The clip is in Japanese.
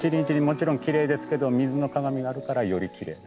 もちろんきれいですけど水の鏡があるからよりきれい。